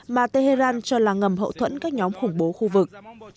mà tehran cho là ngầm hậu thuẫn các nhóm khủng bố khu vực